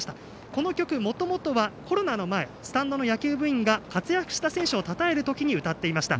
この曲、もともとはコロナの前スタンドの野球部員が活躍した選手をたたえるときに歌っていました。